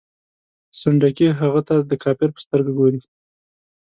سنډکي هغه ته د کافر په سترګه ګوري.